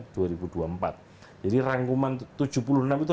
jadi rangkuman tujuh puluh enam itu